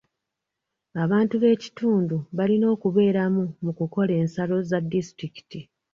Abantu b'ekitundu balina okubeeramu mu kukola ensalo za disitulikiti.